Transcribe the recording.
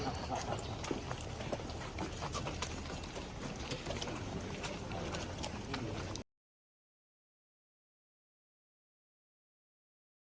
เช่นเช่นสำหรับสำหรับสำหรับ